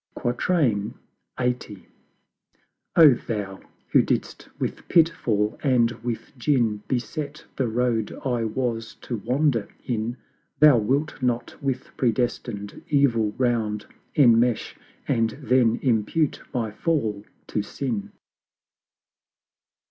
LXXX. Oh Thou, who didst with pitfall and with gin Beset the Road I was to wander in, Thou wilt not with Predestined Evil round Enmesh, and then impute my Fall to Sin!